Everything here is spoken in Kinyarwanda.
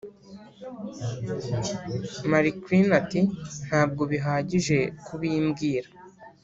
marclin ati: "'ntabwo bihagije kubimbwira'